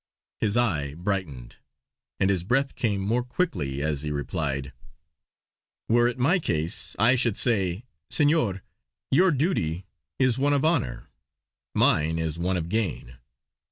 His eye brightened, and his breath came more quickly as he replied: "Were it my case, I should say: 'Senor, your duty is one of honour; mine is one of gain.